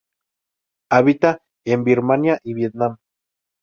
Habita en Birmania y Vietnam.